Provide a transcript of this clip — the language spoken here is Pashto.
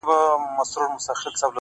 تنکی رويباره له وړې ژبي دي ځارسم که نه.